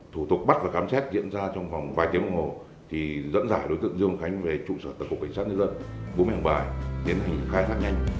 thủ tục bắt và khám xét diễn ra trong khoảng vài tiếng hôm hồi thì dẫn dải đối tượng dương khánh về trụ sở tập cục cảnh sát dân dân bố mẹng bài tiến hành khai sát nhanh